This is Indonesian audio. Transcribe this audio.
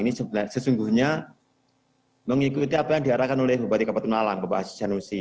ini sesungguhnya mengikuti apa yang diarahkan oleh bapak ibu bapak kapetunalang bapak asyik janusi